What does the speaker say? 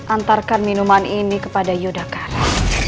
antarkan minuman ini kepada yudakara